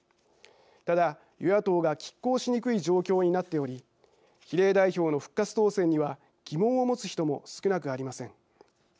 ただ、与野党がきっ抗しにくい状況になっており比例代表の復活当選には疑問を持つ人も少なくありません。